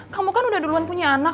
kamu kan udah duluan punya anak